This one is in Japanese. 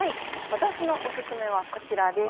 私のオススメはこちらです。